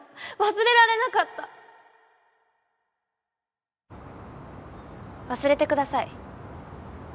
忘れられなかった忘れてください。